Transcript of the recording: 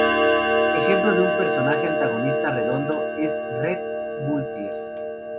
Ejemplo de un personaje antagonista redondo es Rhett Butler.